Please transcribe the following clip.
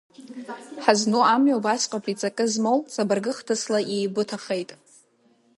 Ҳазну амҩа убасҟатәи ҵакы змоу ҵабыргы хҭысла иеибыҭахеит.